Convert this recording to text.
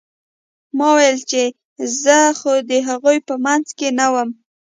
ما وويل چې زه خو د هغوى په منځ کښې نه وم.